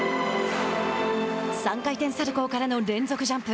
３回転サルコーからの連続ジャンプ。